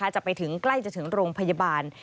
จะไปถึงใกล้จะถึงโรงพยาบาล